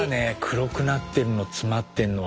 黒くなって詰まってるのは。